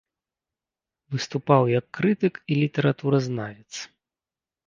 Выступаў як крытык і літаратуразнавец.